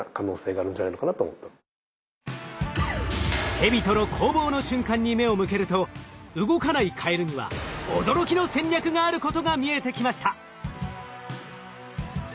ヘビとの攻防の瞬間に目を向けると動かないカエルには驚きの戦略があることが見えてきました。